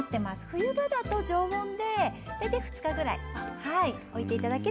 冬場だと常温で大体２日ぐらい置いていただければ大丈夫です。